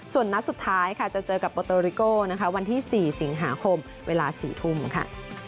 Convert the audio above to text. ส่วนนัดสุดท้ายค่ะจะเจอกับโปเตอริโกนะคะวันที่๔สิงหาคมเวลา๔ทุ่มค่ะ